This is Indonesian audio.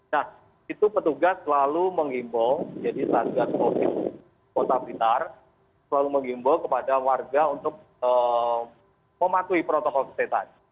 nah itu petugas selalu menghimbau jadi saat gas covid sembilan belas di kota blitar selalu menghimbau kepada warga untuk mematuhi protokol kesehatan